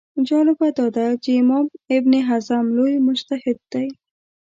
جالبه دا ده چې امام ابن حزم لوی مجتهد دی